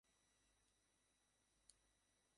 কোথা থেকে সুর ভেসে এলে আনমনেই নেচে ওঠে তাঁর মনের ভেতরটা।